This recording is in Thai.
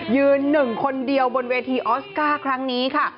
ยืนหนึ่งคนเดียวบนเวทีออสการ์ครั้งนี้ค่ะ